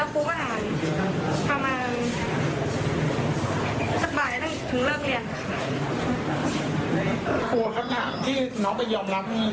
ก็ถามบุญไปบุญมาก